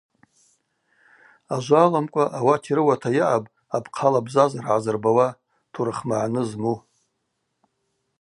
Ажва аламкӏва ауат йрыуата йаъапӏ апхъала бзазара гӏазырбауа, турых магӏны зму.